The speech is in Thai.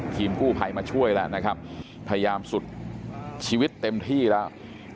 ทีมกู้ภัยมาช่วยแล้วนะครับพยายามสุดชีวิตเต็มที่แล้ว